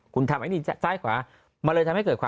คุณทำแบบนี้ซ้ายขวา